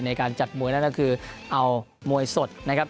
ในการจัดมวยนั่นก็คือเอามวยสดนะครับ